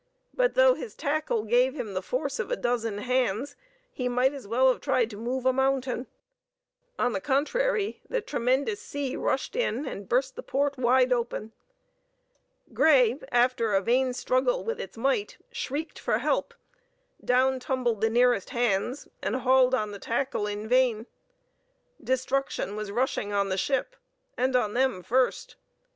But though his tackle gave him the force of a dozen hands, he might as well have tried to move a mountain: on the contrary, the tremendous sea rushed in and burst the port wide open. Grey, after a vain struggle with its might, shrieked for help; down tumbled the nearest hands, and hauled on the tackle in vain. Destruction was rushing on the ship, and on them first.